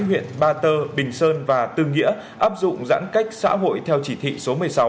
huyện ba tơ bình sơn và tư nghĩa áp dụng giãn cách xã hội theo chỉ thị số một mươi sáu